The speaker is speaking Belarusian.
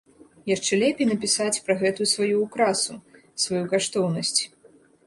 Яшчэ лепей напісаць пра гэтую сваю ўкрасу, сваю каштоўнасць.